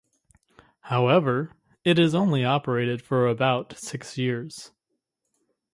However, it only operated for about six years.